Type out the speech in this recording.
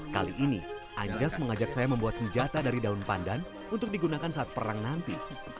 kali ini anjas mengajak saya membuat senjata dari daun pandan untuk digunakan saat perang nanti